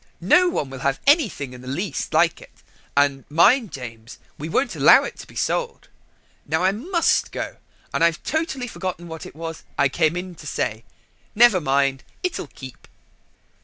No one will have anything in the least like it, and mind, James, we won't allow it to be sold. Now I must go, and I've totally forgotten what it was I came in to say: never mind, it'll keep."